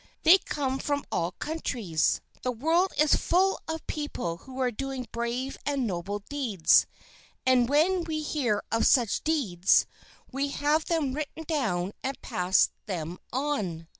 "They come from all countries. The world is full of people who are doing brave and noble deeds, and when we hear of such deeds, we have them written down and pass them on."